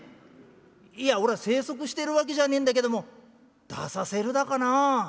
いやおらは催促してるわけじゃねえんだけども出させるだかなあ。